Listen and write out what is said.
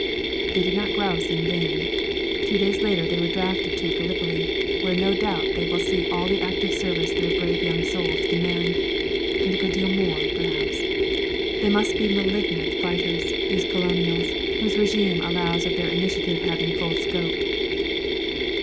'" They did not grouse in vain. Two days later they were drafted to Gallipoli, where no doubt they will see all the active service their brave young souls demand and a good deal more, perhaps. They must be magnificent fighters, these Colonials, whose regime allows of their initiative having full scope.